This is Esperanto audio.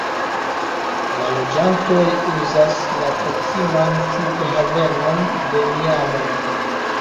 La loĝantoj uzas la proksiman flughavenon de Miamo.